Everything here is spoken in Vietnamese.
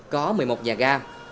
có một mươi một nhà ga